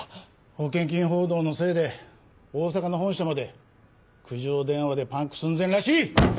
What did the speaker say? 保険金報道のせいで大阪の本社まで苦情電話でパンク寸前らしい！